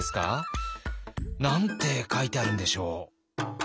何て書いてあるんでしょう？